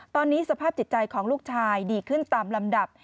ตอนนี้สภาพจิตใจของลูกชายดีขึ้นตามลำดับ